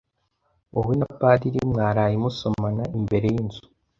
Wowe na Padiri mwaraye musomana imbere yinzu?